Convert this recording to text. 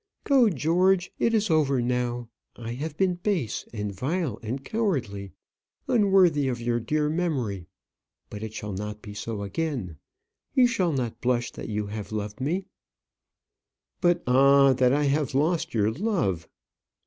Go, George. It is over now. I have been base, and vile, and cowardly unworthy of your dear memory. But it shall not be so again. You shall not blush that you have loved me." "But, ah! that I have lost your love."